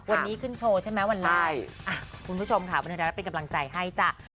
วันนี้ขึ้นโชว์ใช่ไหมวันแรกคุณผู้ชมค่ะบันเทิงไทยรัฐเป็นกำลังใจให้จ้ะ